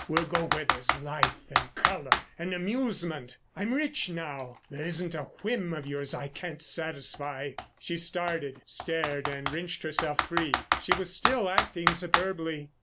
We'll go where there's life and colour and amusement. I'm rich now, there isn't a whim of yours I can't satisfy." She started, stared, and wrenched herself free. She was still acting superbly.